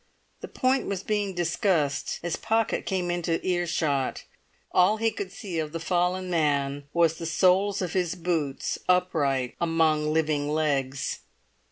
The point was being discussed as Pocket came into earshot; all he could see of the fallen man was the soles of his boots upright among living legs.